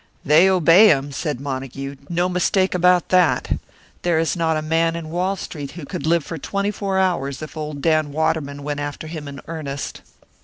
"They obey him!" said Montague. "No mistake about that! There is not a man in Wall Street who could live for twenty four hours if old Dan Waterman went after him in earnest."